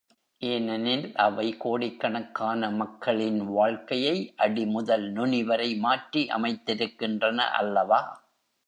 ஏனெனில், அவை கோடிக் கணக்கான மக்களின் வாழ்க்கையை அடிமுதல் நுனிவரை மாற்றி அமைத்திருக்கின்றன அல்லவா!